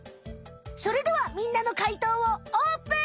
それではみんなの解答をオープン！